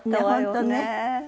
本当ね。